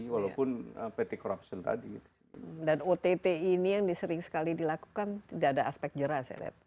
walaupun pt corruption tadi dan ott ini yang disering sekali dilakukan tidak ada aspek jerah saya lihat